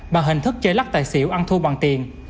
bằng hình thức chơi lắc tài xỉu ăn thu bằng tiền